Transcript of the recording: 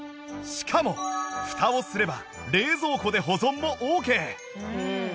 しかもフタをすれば冷蔵庫で保存もオーケー